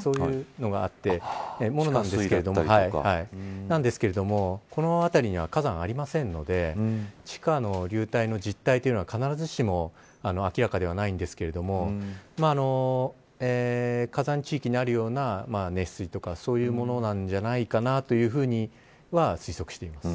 そういうのがあるものなんですけどこの辺りには火山はありませんので地下の流体の実態というのは必ずしも明らかではないんですが火山地域にあるような熱水とかそういうものなんじゃないかなというふうに推測しています。